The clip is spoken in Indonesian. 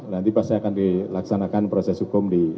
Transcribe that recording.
nanti pasti akan dilaksanakan proses hukum di